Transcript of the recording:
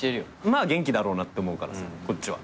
まあ元気だろうなって思うからさこっちは。